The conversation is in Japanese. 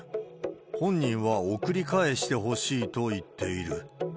本人は送り返してほしいと言っている。